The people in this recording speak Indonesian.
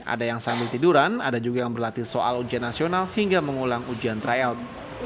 ada yang sambil tiduran ada juga yang berlatih soal ujian nasional hingga mengulang ujian tryout